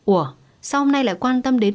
ủa sao hôm nay lại quan tâm đến